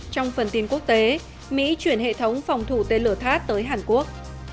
trong phần tin quốc tế mỹ chuyển hệ thống phòng thủ tên lửa tháp tới hàn quốc